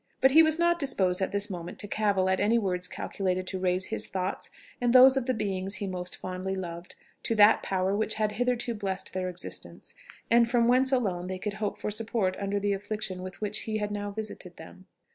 But he was not disposed at this moment to cavil at any words calculated to raise his thoughts and those of the beings he most fondly loved to that Power which had hitherto blessed their existence, and from whence alone they could hope for support under the affliction with which He had now visited them.